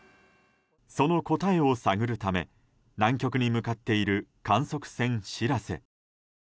その答えを探るため南極に向かっている観測船「しらせ」。